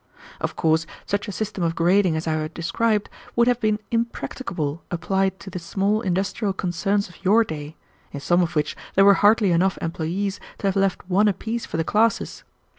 "Of course such a system of grading as I have described would have been impracticable applied to the small industrial concerns of your day, in some of which there were hardly enough employees to have left one apiece for the classes.